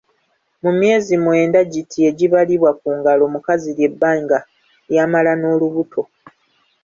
Mu myezi mwenda giti egibalibwa ku ngalo mukazi lye bbanga ly'amala n'olubuto.